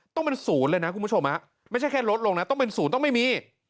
ต้องเป็นศูนย์เลยนะคุณผู้ชมไม่ใช่แค่ลดลงนะต้องเป็นศูนย์ต้องไม่มี